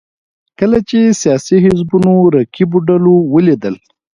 کله چې سیاسي حزبونو رقیبو ډلو ولیدل